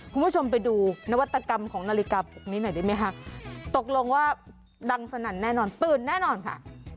คุณผู้ชมไปดูนวัตกรรมของนาฬิกาพวกนี้หน่อยได้ไหมคะตกลงว่าดังสนั่นแน่นอนตื่นแน่นอนค่ะ